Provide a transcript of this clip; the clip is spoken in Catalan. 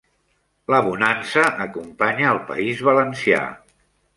La bonança acompanya el País Valencià